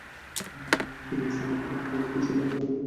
সেদিন, সেই মুহূর্তে পুরো ক্রিকেট বিশ্ব তাদের কথা শুনতে একরকম বাধ্যই ছিল।